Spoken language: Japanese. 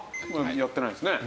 やってないですね